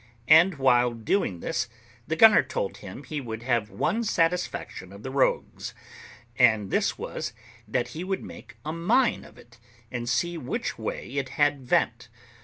And while doing this the gunner told him he would have one satisfaction of the rogues; and this was, that he would make a mine of it, and see which way it had vent.